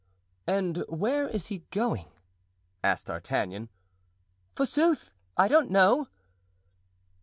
"And where is he going?" asked D'Artagnan. "Forsooth, I don't know."